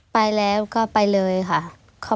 ไปแล้วก็ไปเลยค่ะ